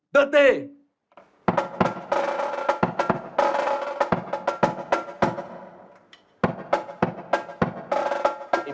ด้านตรี